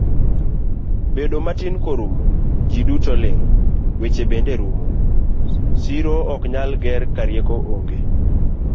Bedo matin korumo, ji duto ling, weche bende rumo, siro oknyal ger karieko onge.